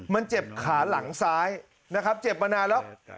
มันเจ็บขาหลังซ้ายนะครับเจ็บมานานแล้ว